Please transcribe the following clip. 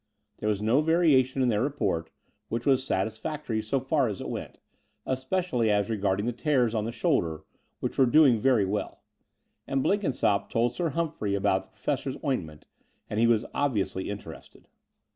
There was no variation in their report, which was satisfactory so far as it went, especially as regarded the tears on the shoulder, which were doing very well: and Blenkinsopp told Sir Hum phrey about the Professor's ointment, and he was obviously interested.